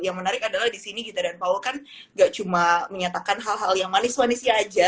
yang menarik adalah di sini gita dan paul kan gak cuma menyatakan hal hal yang manis manisnya aja